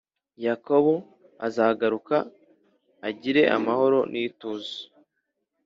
Yakobo azagaruka agire amahoro n ituze